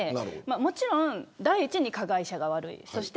もちろん第一に加害者が悪い。